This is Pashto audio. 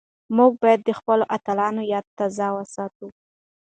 موږ بايد د خپلو اتلانو ياد تازه وساتو.